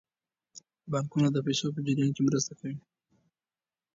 بانکونه د پیسو په جریان کې مرسته کوي.